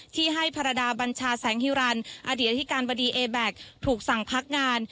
ที่ให้ภรรยาบัญชาแสงฮิรันดิอดีตอธิการบดีเอแบ็คถูกสั่งพักงาน